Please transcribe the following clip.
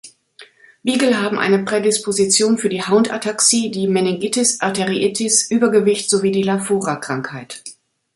Beagle haben eine Prädisposition für die Hound-Ataxie, die Meningitis-Arteriitis, Übergewicht sowie die Lafora-Krankheit.